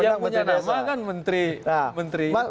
yang punya nama kan menteri